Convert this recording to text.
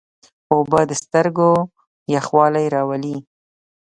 اوبه د سترګو یخوالی راولي.